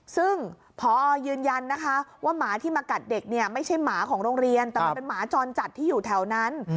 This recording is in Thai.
ซึ่งพอยืนยันนะคะว่าหมาที่มากัดเด็กเนี่ยไม่ใช่หมาของโรงเรียนแต่มันเป็นหมาจรจัดที่อยู่แถวนั้น